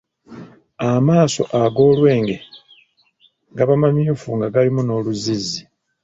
Amaaso ag'olwenge gaba mamyufu nga galimu n’oluzzizzi.